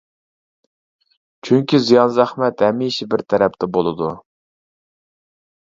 چۈنكى، زىيان-زەخمەت ھەمىشە بىر تەرەپتە بولىدۇ.